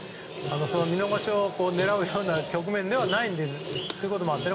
見逃しを狙うような局面ではないということもあって。